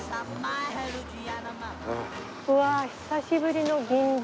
うわー久しぶりの銀座。